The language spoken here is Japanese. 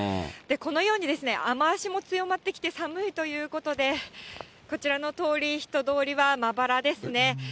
このようにですね、雨足も強まってきて、寒いということで、こちらの通り、人通りはまばらですね。